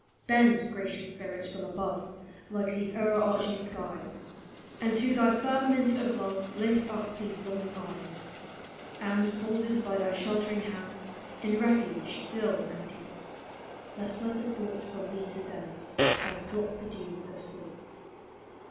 Bend, Gracious Spirit, from above, like these o'erarching skies, And to thy firmament of love lift up these long ing eyes ; And, folded by thy sheltering hand, in refuge still and deep, Let blessed thoughts from thee descend, as drop the dews of sleep.